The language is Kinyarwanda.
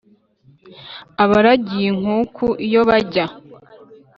abaragiye inkuku iyo bajya !